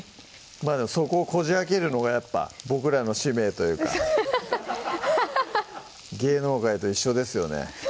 まぁそこをこじあけるのがやっぱ僕らの使命というか芸能界と一緒ですよね